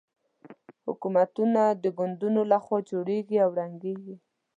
حکومتونه د ګوندونو له خوا جوړېږي او ړنګېږي.